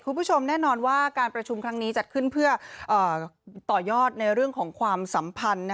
คุณผู้ชมแน่นอนว่าการประชุมครั้งนี้จัดขึ้นเพื่อต่อยอดในเรื่องของความสัมพันธ์